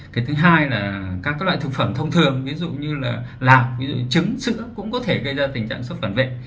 cái thứ hai là các loại thực phẩm thông thường ví dụ như là lạc ví dụ trứng sữa cũng có thể gây ra tình trạng xuất phản vệ